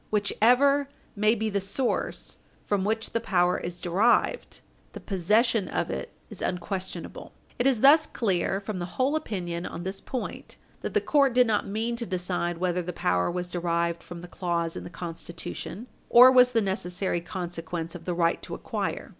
Whichever may be the source from which the power is derived, the possession of it is unquestionable." It is thus clear from the whole opinion on this point that the court did not mean to decide whether the power was derived from the clause in the Constitution or was the necessary consequence of the right to acquire.